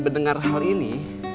mendengar hal ini